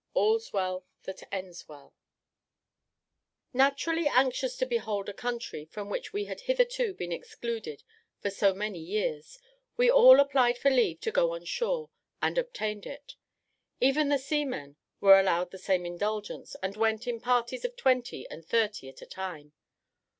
"All's Well that Ends Well." Naturally anxious to behold a country from which we had hitherto been excluded for so many years, we all applied for leave to go on shore, and obtained it. Even the seamen were allowed the same indulgence, and went in parties of twenty and thirty at a time.